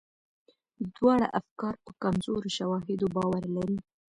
دواړه افکار په کمزورو شواهدو باور لري.